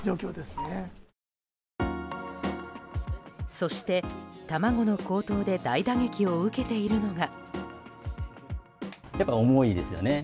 そして、卵の高騰で大打撃を受けているのが。